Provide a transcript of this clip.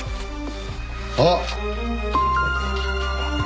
あっ！